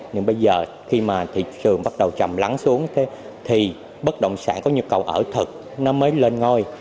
nhưng bây giờ khi mà thị trường bắt đầu trầm lắng xuống thế thì bất động sản có nhu cầu ở thật nó mới lên ngôi